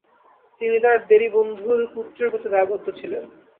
তিনি তার দেরী বন্ধুর পুত্রের প্রতি দায়বদ্ধ ছিলেন।